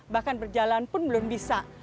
bahkan berjalan pun belum bisa